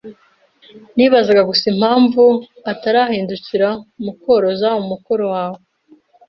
Nibazaga gusa impamvu utarahindukira mukoroza umukoro wawe.